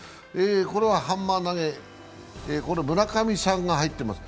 ハンマー投げ、村上さんが入ってます。